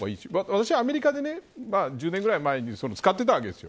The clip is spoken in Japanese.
私はアメリカで１０年ぐらい前に使っていたわけです。